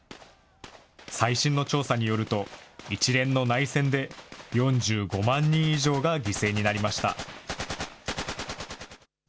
最新の調査によると、一連の内戦で４５万人以上が犠牲になりました。